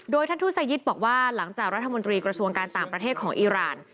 โดยท่านทูศยิตบอกว่าหลังจากรัฐมนตรีกระทรวงการต่างประเทศของอีราน